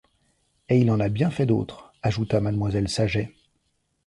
Et il en a bien fait d’autres, ajouta mademoiselle Saget.